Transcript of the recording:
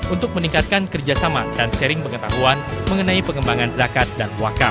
untuk meningkatkan kerjasama dan sharing pengetahuan mengenai pengembangan zakat dan wakaf